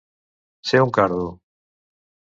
Ser un cardo.